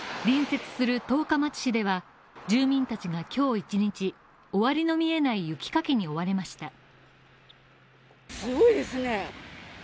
隣接する十日町市では、住民たちが今日１日、終わりの見えない雪かきに追われました